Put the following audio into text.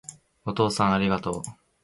お父さんありがとう